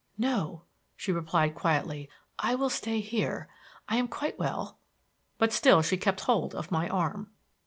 "No," she replied quietly. "I will stay here. I am quite well." But still she kept hold of my arm.